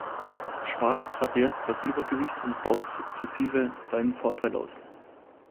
Schwarz hat jetzt das Übergewicht und baut sukzessive seinen Vorteil aus.